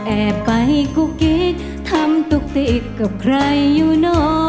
แอบไปกุกิ๊กทำตุ๊กติ๊กกับใครยูนอ